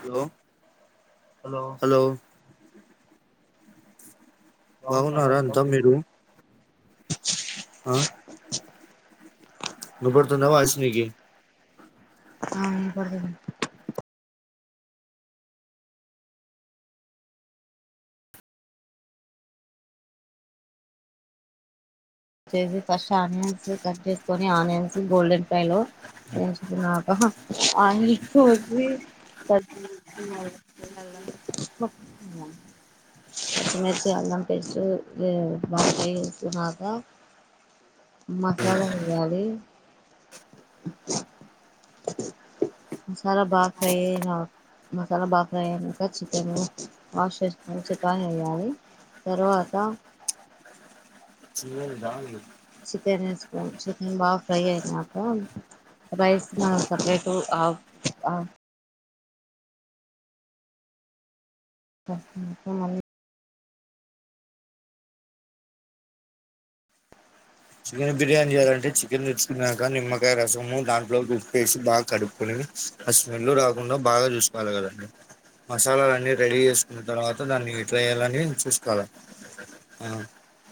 Hello hello బాగున్నారా అంతా మీరు ఆ వినబడుతుందా వాయిస్ నీకి ఆ వినపడుతుంది వచ్చేసి ఫస్ట్ ఆనియన్స్ కట్ చేసుకుని ఆనియన్స్ గోల్డెన్ ఫ్రై లో ఏంచుకున్నావా ఆనియన్స్ ఓసి అవు హలో పర్చి మిర్చి అల్లం పేస్ట్ బాగా వేయించుకున్నాక మసాలా వేగాలి మసాలా బాగా ఫ్రై అయిన మసాలా బాగా ఫ్రై అయినాక చికెన్ వాష్ చేసుకొని చికెన్ వేయాలి తర్వాత చికెన్ [unintelligible] నూన్ బాగా ఫ్రై అయినాక రైస్ సపరేటు ఆఫ్ ఆ ఇమన చికెన్ బిర్యానీ చేయాలంటే చికెన్ తెచ్చుకున్నాక నిమ్మకాయ రసము దాంట్లో ఉప్పేసి బాగా కడుపుకొని ఆ స్మెల్ రాకుండా బాగా చూసుకోవాలి కదండి మసాలాలన్నీ రెడీ చేసుకున్న తర్వాత దాన్ని ఎట్లా చేయాలని అనేది చూసుకోవాలి ఆ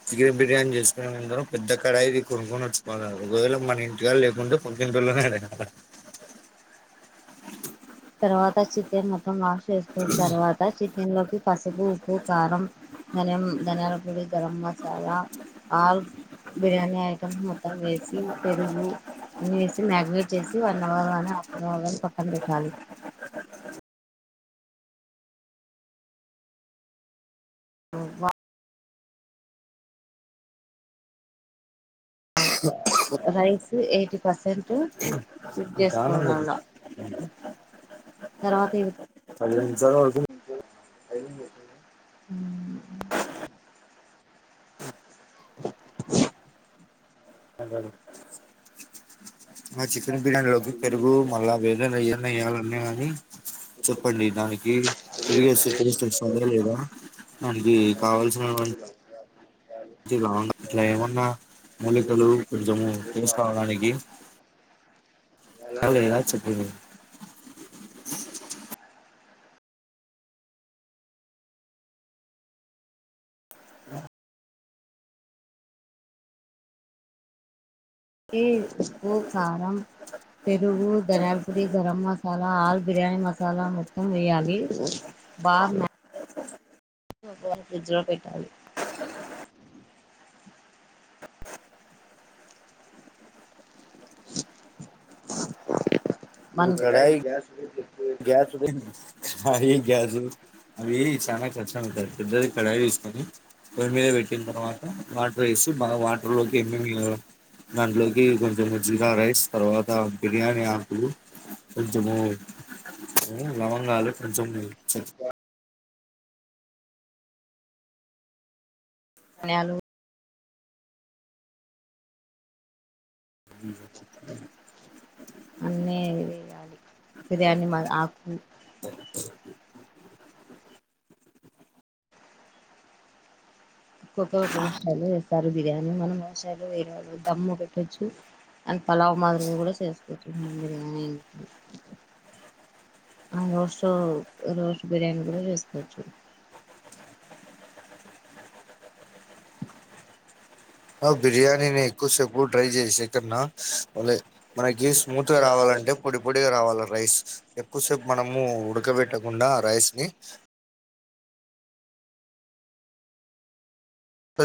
చికెన్ బిర్యానీ చేస్తుకున్నాను అందరూ పెద్దక్కడ ఇది కొనుక్కొని వచ్చుకోల ఒకవేళ మన ఇంటికాడ లేకుంటే పక్కింటోళ్లనే అడగాలి తర్వాత చికెన్ మటన్ వాష్ చేస్తుంది తర్వాత చే ఇందు లోకి పసుపు ఉప్పు కారం ధనియం ధనియాల పొడి గరం మసాలా ఆల్ బిర్యానీ ఐటమ్స్ మొత్తం వేసి పెరుగు అన్ని వేసి మ్యాగనైట్ చేసి అన్న వాళ్ళనే అప్పుడ అవన్నీ పక్కన పెట్టాలి బ రైస్ ఎయిటీ పర్సెంట్ పుజ్ దానంగా చేసుకోడాల తర్వాత ఏంటి పదివేలు ఈ జరావాళ్ళకు అయిందా [unintelligible] [unintelligible] నా చికెన్ బిర్యానీలోకి పెరుగు మళ్ళా వేరేది ఏన్న వయ్యాలన్నా అని చెప్పండి దానికి పెరిగి వస్తే టేస్ట్ వస్తుందా లేదా దానికి కావాల్సిన అ ఇట్లా ఏమన్నా మూలికలు కొంచెము తీసుకోవడానికి. [unintelligible] ఈ కారం పెరుగు దానలపొడి గరంమసాలా మసాలా ఆల్ బిర్యానీ మసాలా మొత్తం వెయ్యాలి బామ ఒకే గాని ఫ్రిడ్జ్ లో పెట్టాలి ఇప్పుడు మన్ కడాయి గ్యాస్ అవి గ్యాస్ అవి చాలా కష్టం ఉంటాది, పెద్దది కడాయి వేసుకొని పోయి మీద పెట్టిన తర్వాత వాటర్ వేసి బ వాటర్లోకి ఏమి దాంట్లోకి కొంచెం మజ్జిగా రైస్ తర్వాత బిర్యానీ. [unintelligible] లవంగాలు కొంచం యేళ్లు అన్నీ వేయాలీ బిర్యానీ [unintelligible] ఆకు. [inaudible] క్కొక్కాయిలో వస్తారు బిర్యానీ మనం వాయిలో దమ్ము పెట్టొచ్చు అండ్ పలావ మాదిరక కూడా చేసుకోవచ్చు మన బిర్యానీ ఆ రోస్ట్ రోస్ట్ బిర్యానీ కూడా చేసుకోవచ్చు. ఆ బిర్యానీని ఎక్కువసేపు డ్రై చేసే కన్నా. [unintelligible] మనకి స్మూత్గా రావాలంటే పొడి పొడిగా రావాల రైస్ ఎక్కువసేపు మనము ఉడకబెట్టకుండా రైస్ ని.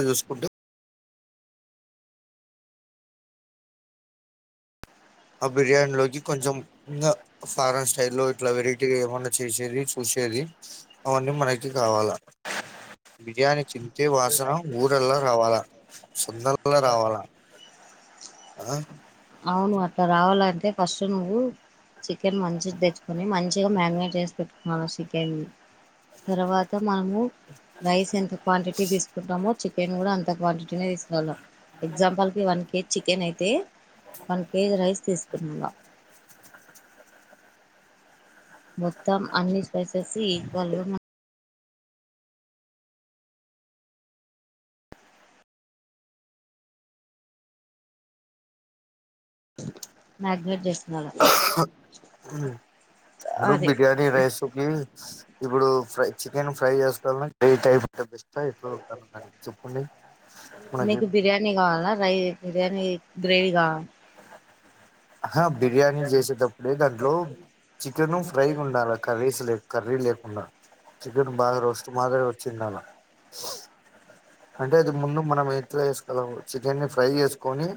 చూసుకుంటె ఆ బిర్యానీ లోకి కొంచెం ఇంకా ఫారెన్ స్టైల్ లో ఇట్లా వెరైటీగా ఏమన్నా చేసేది. పూసేది అవన్నీ మనకి కావాలా బిర్యానీ చి. వాసన ఊరల్లా రావాలా [unintelligible] రావాలా. ఆ అవును అట్లా రావాలంటే ఫస్ట్ నువ్వు చికెన్ మంచిది తెచ్చ కొన్ని మంచిగా మాగినట్ చేసి పెట్టు ఆ చికెన్ తర్వాత మనము రైస్ ఎంత క్వాంటిటీ తీసుకుంటామో చికెన్ కూడా అంత క్వాంటిటీనే తీసు అన్న ఎగ్జాంఆల్ కి వన్కి చికెన్ అయితే వన్ కేజీ రైస్ తీసుకున్న మొత్తం అన్ని స్పైసెస్ ఈక్వల్గా ఉన్న మ్యాగ్నేేట్ చేస్తున్నార ఇప్పుడు బిర్యానీ రైస్కి ఇప్పుడు ఫ్రై చికెన్ ఫ్రై చేస్తాల ఏ టైప్ అంటే బెస్ట్ ఎట్లా ఉండాలి మరి చెప్పండి మనకి మీకు బిర్యానీ కావాలా రై బిర్యానీ గ్రేవీ కావాల ఆ బిర్యానీ చేసేటప్పుడే దాంట్లో చికెన్ ఫ్రై ఉండాలా కర్రీస్ లె కర్రీ లేకుండా చికన్ బాగా రోస్ట్ మా చిన్నాన అంటే అది మున్న మనం పలే [unintelligible] చికెన్ని ఫ్రై జేసుకొని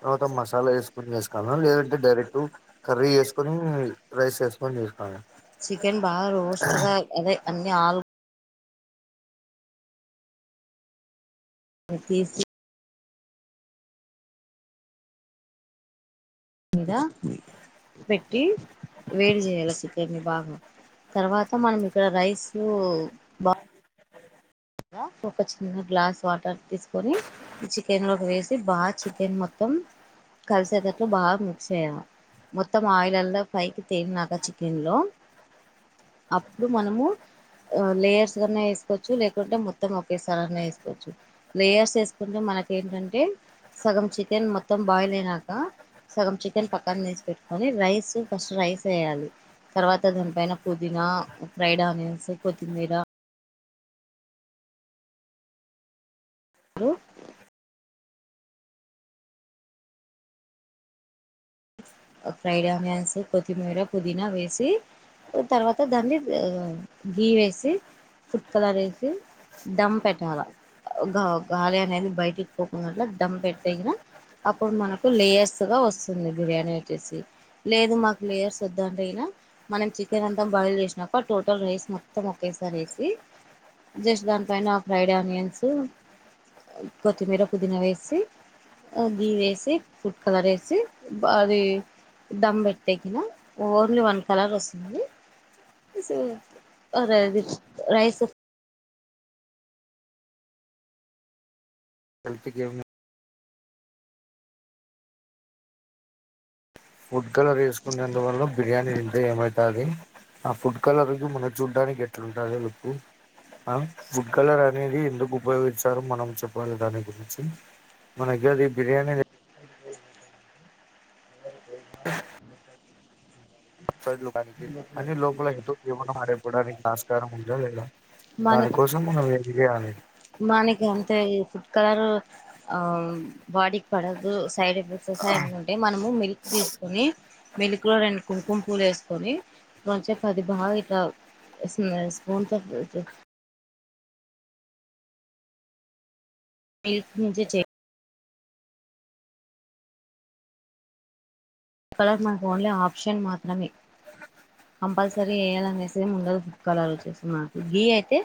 తర్వాత మసాలా వేసుకు ని వేసుకువళ్న లేదంటే డైరెక్ట్ కర్రీ వేసుకొని రైస్ వేసుకొని చేసుకోవాలా చికెన్ బాగా రోస్ట్గా అదే అన్ని ఆలు అ తీసి మీదా పెట్టి వేడి జేయాలి చికెన్ని బాగా తర్వాత మనం ఇక్కడ రైస్ బా ఒక చిన్న గ్లాస్ వాటర్ తీసుకొని ఈ చికెన్ లోకి ఒక వేసి బాగా చికెన్ మొత్తం కలిసేటట్లు బాగా మిక్స్ చేయాల మొత్తం ఆయిల్ అల్లా పైకి తేలినాక చికెన్ లో అప్పుడు మనము లేయర్స్ కన్నా వేసుకోవచ్చు లేక మొత్తం ఒకేసారి వేసుకోవచ్చు లేయర్స్ వేసుకుంటే మనక ఏంటంటే సగం చికెన్ మొత్తం బాయిల్ అయినాక సగం చికెన్ పక్కన వేసి పెట్టుకొని రైస్ ఫస్ట్ రైస్ చేయాలి తర్వాత దానిపైన పుదీనా ఫ్రైడ్ ఆనియన్స్ కొత్తిమీర ఉ ఫ్రైడ్ ఆనియన్స్ కొత్తిమీర పుదీనా వేసి తర్వాత దాన్ని గీ వేసి ఫుడ్ కలర్ వేసి డమ్ పెట్టాల గా గాలి అనేది బయటకి పోకుండాట్ల డమ్ పెట్టక అప్పడు మనకు లేయర్స్ గా వొస్తుంది బిర్యాని అనే లేదు మాకు లేయర్స్ వద్దు అఅంటేగిన మనం చికెన్ అంత బాయిల్ చేసాక టోటల్ రైస్ మొత్తం ఒకేసారి వేసి జస్ట్ దాని పైన ఫ్రెండ్ ఆనియన్స్ వేసి కొత్తిమీర పుదీనా వేసి బి వేసి ఫుడ్ కలర్ వేసి అదది [unintelligible] దమ్ పెటెకినా ఓన్లీ వన్ కలర్ వస్తుంది తీసెయ్ [inaudible] అదేది రైస్ ఒ హెల్త్ కేమున్నే ఫుడ్ కలర్ వేసుకునేందువల్ల బిర్యానీ తింటే ఏమైతాది. ఆ ఫుడ్ కలర్ మనం చూడ్డానికి ఎట్లుంటది లుక్ ఆ ఫుడ్ కలర్ అనేది ఎందుకు ఉపయోగించారో మనం చెప్పాలి దాని గురించి మనగ్గరది బిర్యానీ, సైడ్ లోకానికి అన్ని లోపల ఇటు ఎవన్న మారిపోడానికి ఆస్కారముందా లేదా దాని కోసం మన వే బిర్యానీ మానికెంతయింది కలర్ బాడీకి పడదు సైడ్ ఎఫెక్ట్స్ వస్తాయి అనుకుంటే మనము మిల్క్ తీసుకొని మిల్క్ లో రెండు కుంకుంపూలు వేసుకొని మంచ [unintelligible] పది బాగా ఇట్లా స్పూన్ త మీల్క్ నుంచె కలర్ మా ఫోన్లే ఆ ఆప్షన్ మాత్రమే కంపల్సరీ వేయాలనేసి ఉండదు ఫుడ్ కలర్ వచ్చేసి మనకు గీ అయితే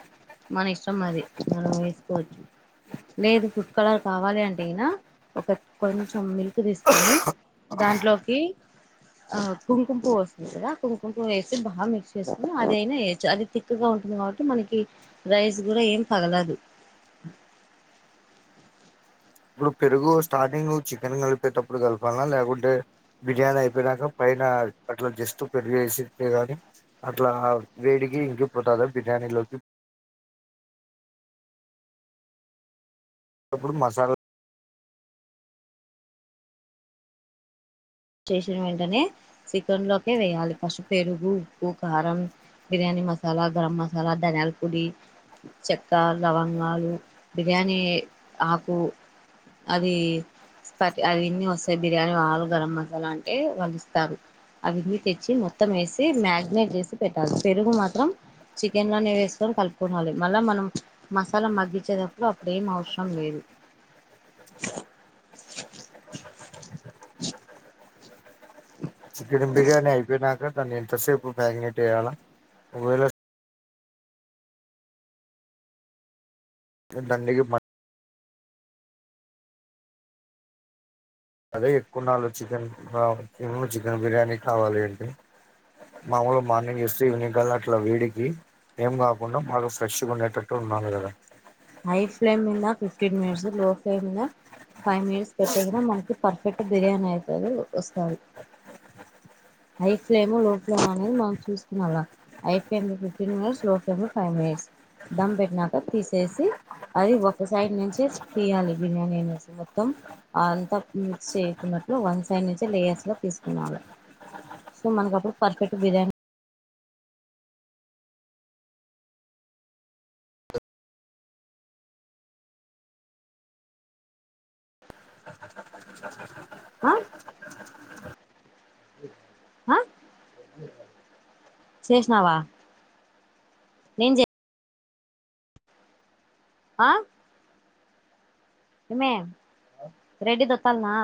మన ఇష్టం అది మనం వేసుకోవచ్చు లేదు ఫుడ్ కలర్ కావాలి అంటేనా ఒక కొంచెం మిల్క్ తీసుకొని దాంట్లో ఆ కుంకుమ పువ్వు వస్తుంది కదా ఆ కుంకము పువ్వు వేసి బాగా మిక్స్ చేసుకుని అదైనా వేయొచ్చు అది తిక్గా ఉంటుంది కాబట్టి మనకి రైస్ కూడా ఏం పగలదు ఇప్పుడు పెరుగు స్టార్టింగ్ చికెన్ కలిపి తేటప్పుడు కలపాల లేకుంటే బిర్యానీ అయిపోయినాక పైన అట్లా జస్ట్ పెరుగు వేస్ ఇత్తే గాని అట్లా వేడికి ఇంకి పోతుందా బిర్యానీలోకి అప్పుడు మసాలా చేసిన వెంటనే చికెన్ లోకి వెయ్యాలి, ఫస్ట్ పెరుగు, ఉప్పు, కారం, బిర్యానీ మసాలా, గరం మసాలా, ధనియాల పొడి, చెక్క, లవంగాలు, బిర్యానీ ఆకు అది స్పట్ అవిన్నీ వస్తాయి. బిర్యానీ హాల్ గరం మస వాలా అంటే వాళ్ళు ఇస్తారు అవన్ని తెచ్చి మొత్తం వేసి మ్యాగ్నేట్ చేసి పెట్టాలి, పెరుగు మాత్రం చికెన్ లోనే వేసుకొని కలుపుకోనాలి, మళ్ళా మనం ప్చ్ మసాలా మగ్గించేటప్పుడు అప్పుడు ఏం అవసరం లేదు. చికెన్ బిర్యానీ అయిపోయినాక దాన్ని ఎంతసేపు మ్యాగినెట్ వేయాల ఒక వేళ దండడికి మ అదే ఎక్కువన్నాలు వచ్చిది చికెన్ చె ధమ్ బిర్యానీ కావాలి అంటె మాముూలు మార్నింగ్ చేస్తే ఈవినింగ్ కలా అట్లా వేడికి ఏం కాకుండా బాగా ఫ్రెష్గా ఉండేటట్టు ఉండాలి హై ఫ్లేమ్ మీద ఫిఫ్టీన్ మినిట్స్ లో ఫ్లేమ్ద ఫైవ్ మినిట్స్ పెట్టే క మనకి పర్ఫెక్ట్ బిర్యానీ అవుతుంది వస్తుంది హై ఫ్లేమ్ లో ఫ్లేమ్ అనేది మనం చూసుకున్నలా హై ఫ్లేమ్ ఫిఫ్టీన్ మినిట్స్ లో ఫ్లేమ్ లో ఫైవ్ మినిట్స్ దమ్ పెట్టినాక తీసేసి అది ఒక సైడ్ నుంచే తీయాలి బిర్యానీ అనేసి మొత్తం అంతా మిక్స్ చేయకున్నట్లు వంద సైడ్ నుంచే లేయర్స్ లో తీసుకునాలి సో మనకప్పుడు పర్ఫెక్ట్ బిర్యానీ ఆ శేష్ణవా నను జ ఆ ఇమెే రెడి దొక్కల్నా